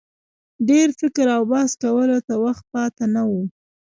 ډېر فکر او بحث کولو ته وخت پاته نه وو.